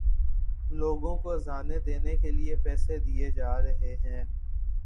لوگوں کو اذانیں دینے کے لیے پیسے دیے جا رہے ہیں۔